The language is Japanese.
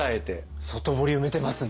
外堀埋めてますね。